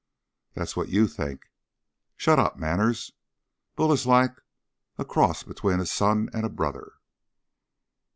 "That's what you think." "Shut up, Manners. Bull is like a cross between a son and a brother."